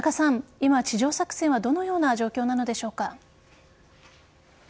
今、地上作戦はどのような状況なのでしょうか？